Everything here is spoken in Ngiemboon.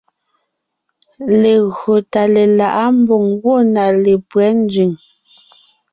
Legÿo tà lelaʼá mbòŋo gwɔ̂ na lépÿɛ́ nzẅìŋ.